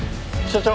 所長？